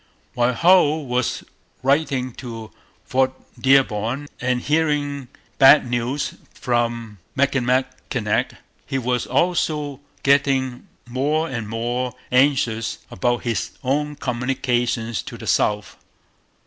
While Hull was writing to Fort Dearborn and hearing bad news from Michilimackinac, he was also getting more and more anxious about his own communications to the south.